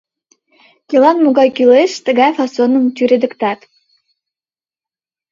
Кӧлан могай кӱлеш, тугай фасоным тӱредыктат.